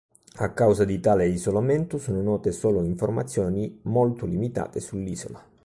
A causa di tale isolamento, sono note solo informazioni molto limitate sull'isola.